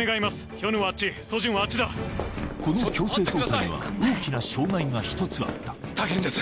ヒョヌはあっちソジュンはあっちだこの強制捜査には大きな障害が一つあった大変です